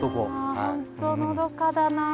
本当のどかだな。